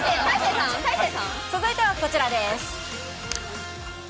続いてはこちらです。